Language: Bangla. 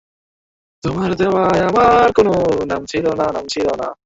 অনন্ত হত্যার প্রতিবাদে গতকাল সারা দেশে বিক্ষোভ মিছিল করেছে গণজাগরণ মঞ্চ।